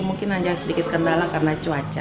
mungkin hanya sedikit kendala karena cuaca